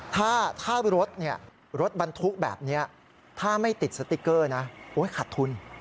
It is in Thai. ถ้ารถบรรทุกแบบนี้ถ้าไม่ติดสติ๊กเกอร์นะขาดทุน